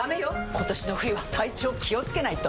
今年の冬は体調気をつけないと！